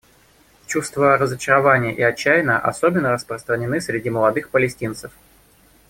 Чувства разочарования и отчаяния особенно распространены среди молодых палестинцев.